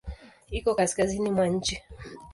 Iko kaskazini mwa nchi.